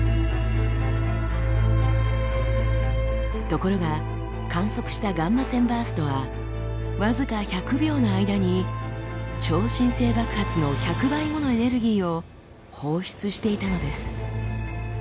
ところが観測したガンマ線バーストは僅か１００秒の間に超新星爆発の１００倍ものエネルギーを放出していたのです。